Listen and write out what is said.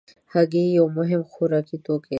هګۍ یو مهم خوراکي توکی دی.